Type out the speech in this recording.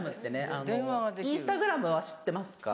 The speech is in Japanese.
あのインスタグラムは知ってますか？